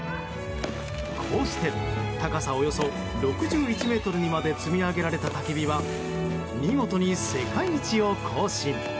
こうして高さおよそ６１ｍにまで積み上げられた、たき火は見事に世界一を更新。